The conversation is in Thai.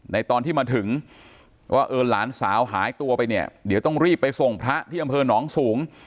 ตอนที่มาถึงว่าเออหลานสาวหายตัวไปเนี่ยเดี๋ยวต้องรีบไปส่งพระที่อำเภอหนองสูง